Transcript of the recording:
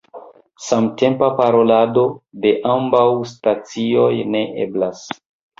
Samtempa parolado de ambaŭ stacioj ne eblas.